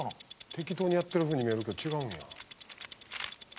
適当にやってる風に見えるけど違うんや。